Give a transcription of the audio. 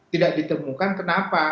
tidak ditemukan kenapa